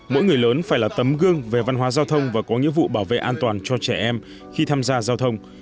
mỗi người lớn phải là tấm gương về văn hóa giao thông và có nghĩa vụ bảo vệ an toàn cho trẻ em khi tham gia giao thông